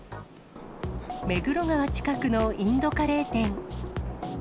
目黒川近くのインドカレー店。